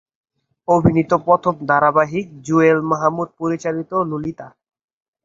অভিনীত প্রথম ধারাবাহিক জুয়েল মাহমুদ পরিচালিত "ললিতা"।